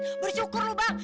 bersyukur lo bang